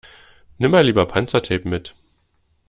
Nimm mal lieber Panzertape mit.